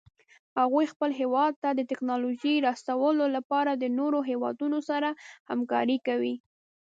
هغوی خپل هیواد ته د تکنالوژۍ راوستلو لپاره د نورو هیوادونو سره همکاري کوي